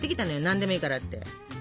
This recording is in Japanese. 「何でもいいから」って。